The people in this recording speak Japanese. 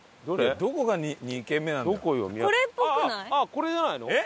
これじゃないの？